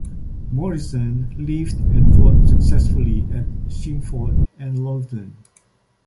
Morrison lived and wrote successively at Chingford and Loughton.